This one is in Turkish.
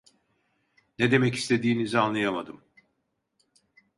Ne demek istediğinizi anlayamadım.